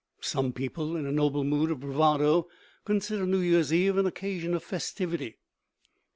Some people, in a noble mood of bravado, consider New Year's Eve an occasion of festivity.